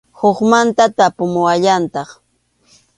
Hukmanta tapumuwallantaq.